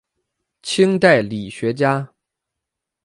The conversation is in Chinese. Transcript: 清代理学家。